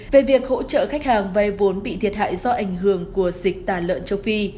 về việc hỗ trợ khách hàng vay vốn bị thiệt hại do ảnh hưởng của dịch tả lợn châu phi